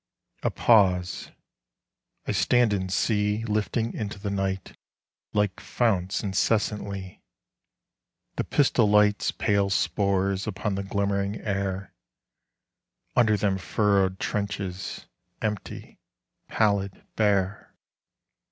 A pause: I stand and see Lifting into the night like founts incessantly The pistol lights' pale spores upon the glimmering air.... Under them furrowed trenches empty, pallid, bare....